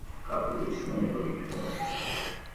যদি তাহা না পার, তবে তোমাদিগকে কাপুরুষ মনে করিব।